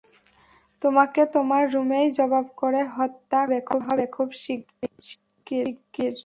তোমাকে তোমার রুমেই জবাই করে হত্যা করা হবে খুব শিগগির।